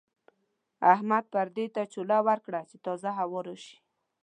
احمد پردې ته چوله ورکړه چې تازه هوا راشي.